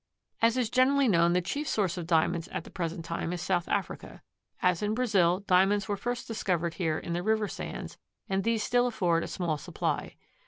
As is generally known the chief source of Diamonds at the present time is South Africa. As in Brazil, Diamonds were 176 first discovered here in the river sands and these still afford a small supply.